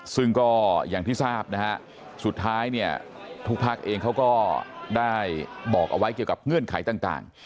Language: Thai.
ซึ่งก็อย่างที่ทราบนะฮะสุดท้ายเนี่ยทุกภาคเองเขาก็ได้บอกเอาไว้เกี่ยวกับเงื่อนไขต่าง